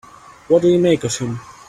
What do you make of him?